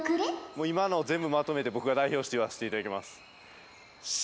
もう今のを全部まとめてボクが代表して言わせていただきます。